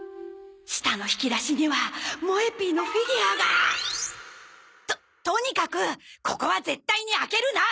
下の引き出しにはもえ Ｐ のフィギュアが！ととにかくここは絶対に開けるな！